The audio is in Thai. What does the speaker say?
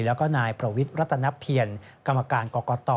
แล้วก็นายประวิทย์รัตนเพียรกรรมการกรกต